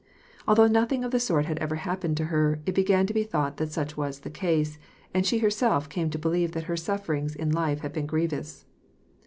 Although nothing of the sort had ever happened to her, it began to be thought that such was the case, and she herself came to believe that her sufferings in life had been grievous.